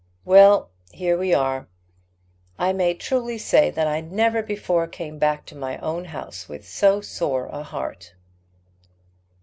Well, here we are. I may truly say that I never before came back to my own house with so sore a heart."